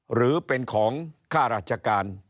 หรือเป็นของค่าราชการ